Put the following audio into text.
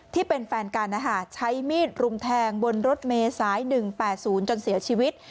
ที่เป็นแฟนกันใช้มีดรุมแทงบนรถเมษาย๑๘๐จนเสียชีวิต